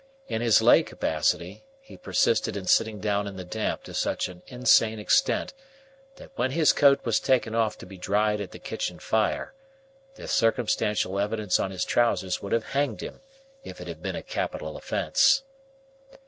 In his lay capacity, he persisted in sitting down in the damp to such an insane extent, that when his coat was taken off to be dried at the kitchen fire, the circumstantial evidence on his trousers would have hanged him, if it had been a capital offence.